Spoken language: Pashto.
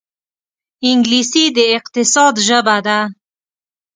انګلیسي د اقتصاد ژبه ده